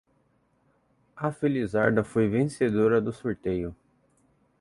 A felizarda foi vencedora do sorteio